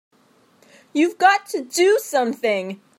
You've got to do something!